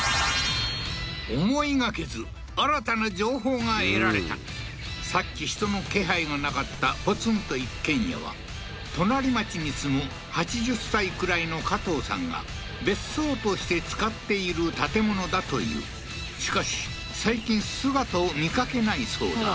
思いがけず新たな情報が得られたさっき人の気配がなかったポツンと一軒家は隣町に住む８０歳くらいの加藤さんが別荘として使っている建物だというしかし最近姿を見かけないそうだ